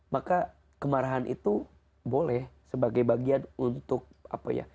maka kemarahan itu boleh sebagai bagian untuk apa ya